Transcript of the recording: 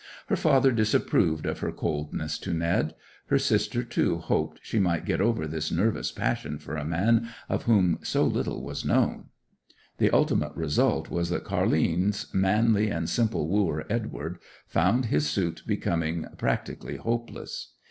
Her father disapproved of her coldness to Ned; her sister, too, hoped she might get over this nervous passion for a man of whom so little was known. The ultimate result was that Car'line's manly and simple wooer Edward found his suit becoming practically hopeless.